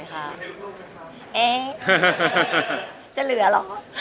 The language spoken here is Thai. เอ๊ะจะเหลือเหรอ